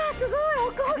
ホクホク！